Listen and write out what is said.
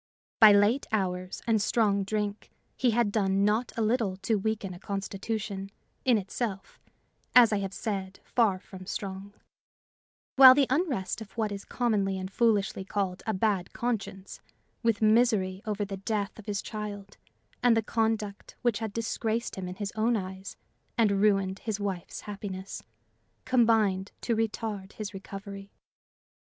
By late hours and strong drink, he had done not a little to weaken a constitution, in itself, as I have said, far from strong; while the unrest of what is commonly and foolishly called a bad conscience, with misery over the death of his child and the conduct which had disgraced him in his own eyes and ruined his wife's happiness, combined to retard his recovery.